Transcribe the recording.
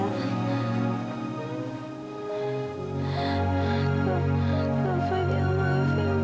kau fadil maafin milah kak